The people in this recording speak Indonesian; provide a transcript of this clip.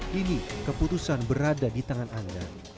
kini keputusan berada di tangan anda